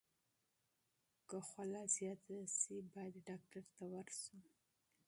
که خوله زیاته شي، باید ډاکټر ته ورشو.